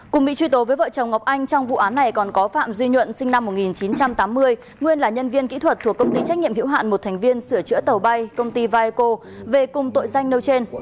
cùng bị truy tố với vợ chồng ngọc anh trong vụ án này còn có phạm duy nhuận sinh năm một nghìn chín trăm tám mươi nguyên là nhân viên kỹ thuật thuộc công ty trách nhiệm hữu hạn một thành viên sửa chữa tàu bay công ty vaeco về cùng tội danh nêu trên